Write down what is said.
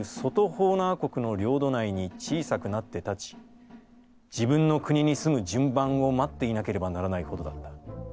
ホーナー国の領土内に小さくなって立ち、自分の国に住む順番を待っていなければならないほどだった。